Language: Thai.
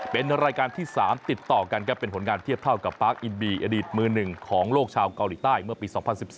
เป็นรายการที่๓ติดต่อกันครับเป็นผลงานเทียบเท่ากับปาร์คอินบีอดีตมือหนึ่งของโลกชาวเกาหลีใต้เมื่อปี๒๐๑๔